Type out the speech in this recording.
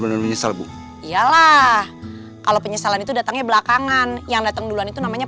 emang mesti begini ya